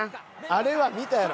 あれは見たやろ。